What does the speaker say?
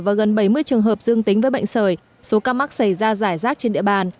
và gần bảy mươi trường hợp dương tính với bệnh sởi số ca mắc xảy ra giải rác trên địa bàn